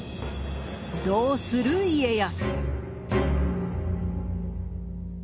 どうする家康。